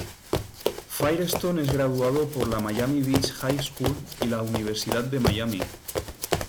Firestone es graduado por el Miami Beach High School y la Universidad de Miami.